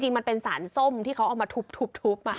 มันเป็นสารส้มที่เขาเอามาทุบ